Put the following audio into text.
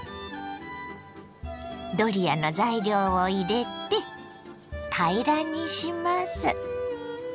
ドリアの材料を入れて平らにします。